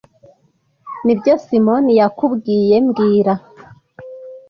Nibyo Simoni yakubwiye mbwira